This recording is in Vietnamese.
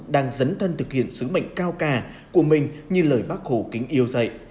đang dấn thân thực hiện sứ mệnh cao cà của mình như lời bác khổ kính yêu dạy